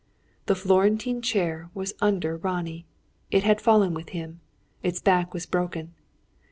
The Florentine chair was under Ronnie. It had fallen with him. Its back was broken.